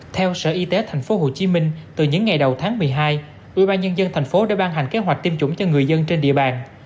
theo sở y tế tp hcm từ những ngày đầu tháng một mươi hai ubnd tp đã ban hành kế hoạch tiêm chủng cho người dân trên địa bàn